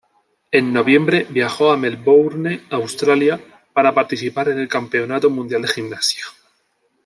En noviembre viajó a Melbourne, Australia, para participar en el Campeonato Mundial de Gimnasia.